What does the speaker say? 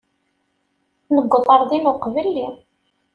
Nuweḍ ɣer din uqbel-im.